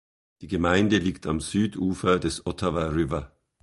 Die Gemeinde liegt am Südufer des Ottawa River.